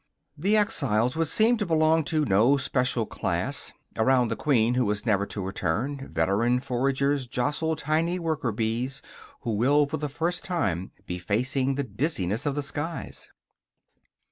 The exiles would seem to belong to no special class; around the queen who is never to return, veteran foragers jostle tiny worker bees who will for the first time be facing the dizziness of the skies.